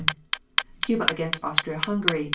Cuba against Austria Hungary, Dec.